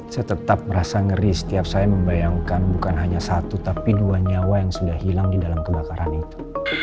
saya tetap merasa ngeri setiap saya membayangkan bukan hanya satu tapi dua nyawa yang sudah hilang di dalam kebakaran itu